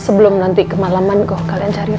sebelum nanti kemalaman kalian cari renna